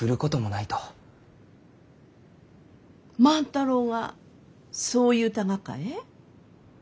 万太郎がそう言うたがかえ？